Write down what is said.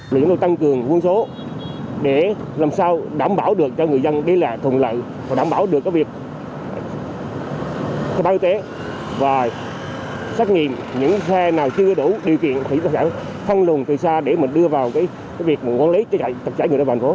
làm sao đảm bảo được cho người dân đây là thùng lợi và đảm bảo được cái việc cơ bản y tế và xác nghiệm những xe nào chưa đủ điều kiện thì chúng ta sẽ phân lùng từ xa để mình đưa vào cái việc quản lý chạy người ra vào thành phố